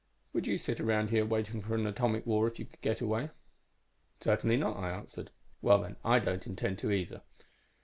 'Would you sit around here waiting for an atomic war if you could get away?' "'Certainly not,' I answered. "'Well, then, I don't intend to, either.'